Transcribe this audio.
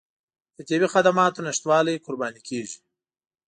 د طبي خدماتو نشتوالي قرباني کېږي.